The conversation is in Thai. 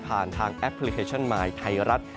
ทางแอปพลิเคชันมายไทยรัฐ